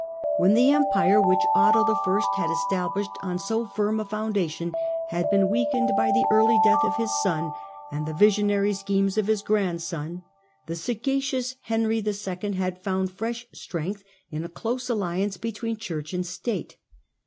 When the Empire which Otto I. had established on so firm a foundation had been weakened by the early death of his son and the visionary schemes of his grandson, the sagacious Henry 11. had found fresh strength in a close alliance between Church and State.